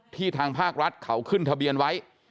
ทางภาครัฐเขาขึ้นทะเบียนไว้